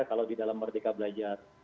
kalau di dalam merdeka belajar